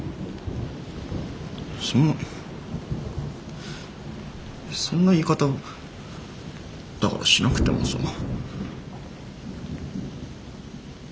そんなそんな言い方をだからしなくてもさあ。